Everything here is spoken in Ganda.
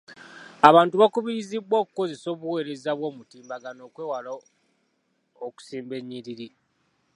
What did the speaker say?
Abantu bakubirizibwa okukozesa obuweereza bw'omutimbagano okwewala okusimba ennyiriri.